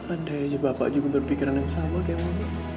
andai aja bapak juga berpikiran sama kayak mama